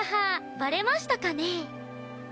バレましたかね？